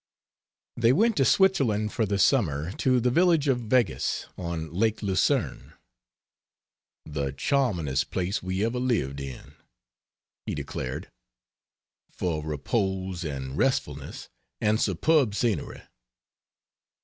They went to Switzerland for the summer to the village of Weggis, on Lake Lucerne "The charmingest place we ever lived in," he declared, "for repose, and restfulness, and superb scenery."